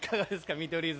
見取り図。